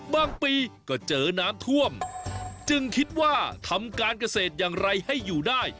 บางปีก็เจอน้ำท่วมจึงคิดว่าทำการเกษตรอย่างไรให้อยู่ได้